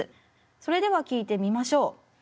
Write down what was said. それでは聴いてみましょう。